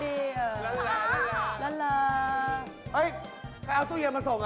เห้ยใครเอาตู้เย็นมาส่งน่ะ